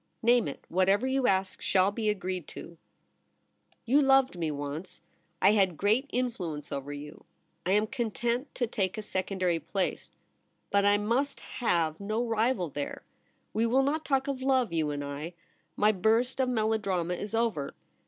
' Name it. Whatever you ask shall be agreed to.' 'You loved me once. I had great influence over you. I am content to take a secondary place ; but I must have no rival there. \\ e will not talk of love— you and I. My burst of melodrama is over.